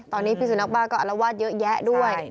ตอนนี้พิสุนักบ้าก็อารวาสเยอะแยะด้วย